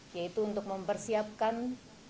yaitu untuk mempersiapkan football